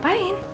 ibu aku disini